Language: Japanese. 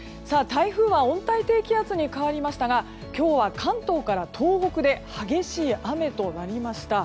台風は温帯低気圧に変わりましたが今日は関東から東北で激しい雨となりました。